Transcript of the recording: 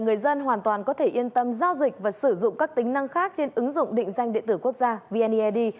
người dân hoàn toàn có thể yên tâm giao dịch và sử dụng các tính năng khác trên ứng dụng định danh điện tử quốc gia vneid